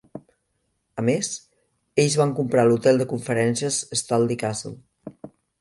A més, ells van comprar l'hotel de conferències Studley Castle.